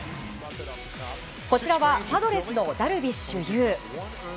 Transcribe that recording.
こちらはパドレスのダルビッシュ有。